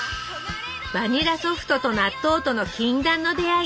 バニラソフトと納豆との禁断の出会い。